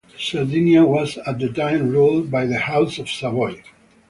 Sardinia was at the time ruled by the House of Savoy.